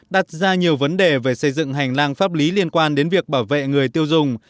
đặt ra nhiều vấn đề về xây dựng hành lang pháp lý liên quan đến việc bảo vệ người tiêu dùng